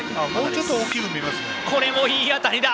これもいい当たりだ。